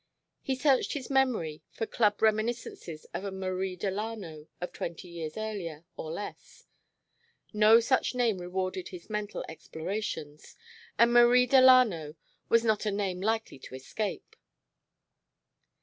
He searched his memory for Club reminiscences of a Marie Delano of twenty years earlier, or less. No such name rewarded his mental explorations, and Marie Delano was not a name likely to escape.